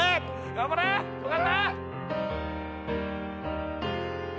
・頑張れ尾形！